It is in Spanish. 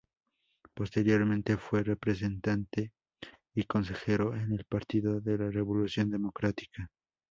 Posteriormente fue representante y consejero en el Partido de la Revolución Democrática.